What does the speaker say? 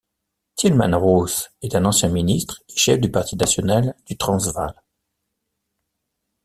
Tielman Roos est un ancien ministre et chef du parti national au Transvaal.